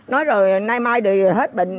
nói rồi nay mai đi hết bệnh